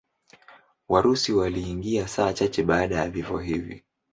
Warusi waliingia saa chache baada ya vifo hivi.